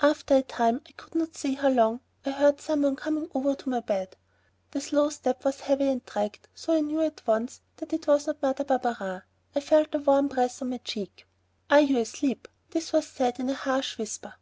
After a time, I could not say how long, I heard some one coming over to my bed. The slow step was heavy and dragged, so I knew at once that it was not Mother Barberin. I felt a warm breath on my cheek. "Are you asleep?" This was said in a harsh whisper.